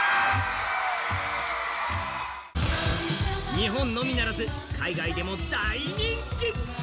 日本のみならず、海外でも大人気。